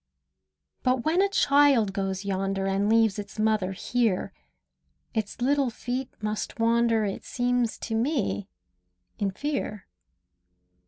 But when a child goes yonder And leaves its mother here, Its little feet must wander, It seems to me, in fear.